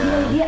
tuh keren ya